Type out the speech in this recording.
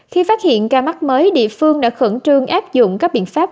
khi phát hiện ca mắc mới địa phương đã khẩn trương áp dụng các biện pháp